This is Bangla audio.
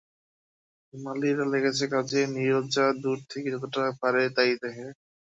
মালীরা লেগেছে কাজে, নীরজা দূর থেকে যতটা পারে তাই দেখে।